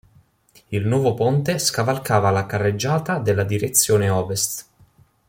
Il nuovo ponte scavalcava la carreggiata della direzione ovest.